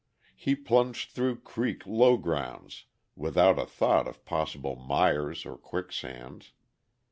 He plunged through creek "low grounds" without a thought of possible mires or quicksands.